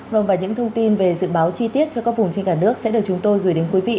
vâng và những thông tin về dự báo chi tiết cho các vùng trên cả nước sẽ được chúng tôi gửi đến quý vị